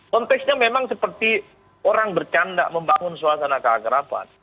konteksnya memang seperti orang bercanda membangun suasana keakrapan